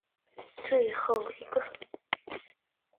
肠易激综合征的发病机制尚未完全清楚。